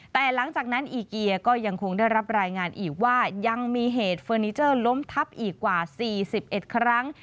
แต่หลังจากนั้นอีเกียก็ยังคงได้รับรายงานอีกว่ายังมีเหตุเฟอร์นิเจอร์ล้มทับอีกกว่า๔๑ครั้ง